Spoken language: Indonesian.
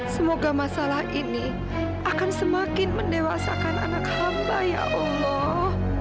semoga masalah ini akan semakin mendewasakan anak hamba ya allah